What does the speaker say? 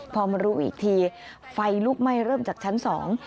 พอมารู้อีกทีไฟลุกไหม้เริ่มจากชั้นสอง